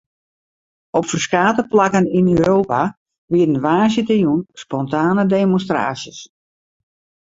Op ferskate plakken yn Europa wiene woansdeitejûn spontane demonstraasjes.